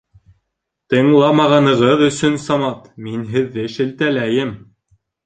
Тыңламағанығыҙ өсөн, Самат, мин һеҙҙе шелтәләйем